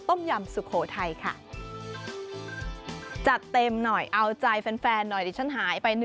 ยำสุโขทัยค่ะจัดเต็มหน่อยเอาใจแฟนหน่อยดิฉันหายไป